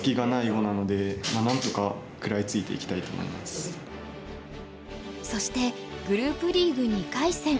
そしてそしてグループリーグ２回戦。